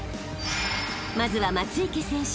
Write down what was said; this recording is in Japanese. ［まずは松生選手］